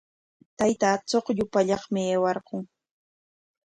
Taytaaqa chuqllu pallaqmi aywarqun.